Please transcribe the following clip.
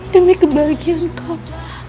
demi kebahagiaan kamu